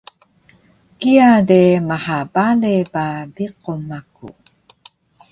kiya de maha bale ba biqun maku